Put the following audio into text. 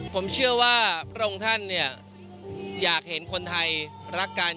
ผมเชื่อว่าพระองค์ท่านเนี่ยอยากเห็นคนไทยรักกัน